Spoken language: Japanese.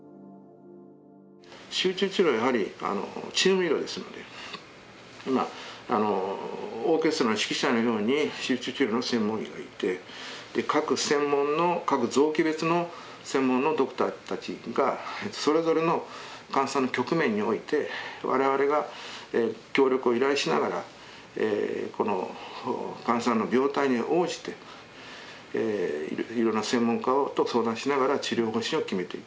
集中治療はやはりチーム医療ですのでまあオーケストラの指揮者のように集中治療の専門医がいて各専門の各臓器別の専門のドクターたちがそれぞれの患者さんの局面において我々が協力を依頼しながら患者さんの病態に応じていろいろな専門家と相談しながら治療方針を決めていく。